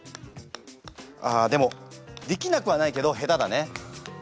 あでもできなくはないけど下手だね。